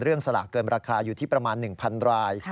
สลากเกินราคาอยู่ที่ประมาณ๑๐๐ราย